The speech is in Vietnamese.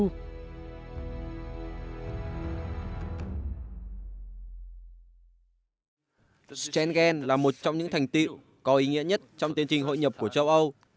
schengen là một trong những thành tựu có ý nghĩa nhất trong tiến trình hội nhập của châu âu